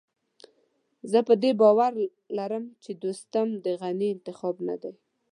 زه په دې باور لرم چې دوستم د غني انتخاب نه دی.